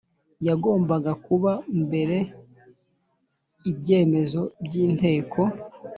yagombaga kuba mbere Ibyemezo by Inteko